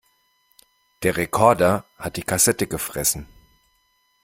Der Rekorder hat die Kassette gefressen.